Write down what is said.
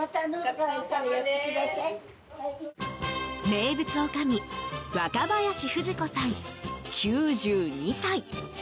名物おかみ若林不二子さん、９２歳。